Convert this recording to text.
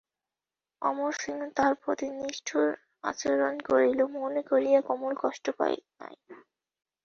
অমরসিংহ তাহার প্রতি নিষ্ঠুরাচরণ করিল মনে করিয়া কমল কষ্ট পায় নাই।